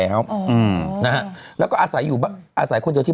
ดื่มน้ำก่อนสักนิดใช่ไหมคะคุณพี่